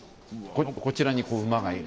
こちらに馬がいる。